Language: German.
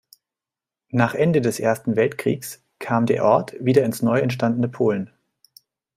Nach Ende des Ersten Weltkrieges kam der Ort wieder ins neu entstandene Polen.